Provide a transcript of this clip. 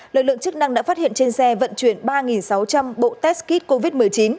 lực lượng chức năng đã phát hiện trên xe vận chuyển ba sáu trăm linh bộ test kit covid một mươi chín